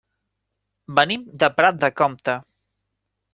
Venim de Prat de Comte.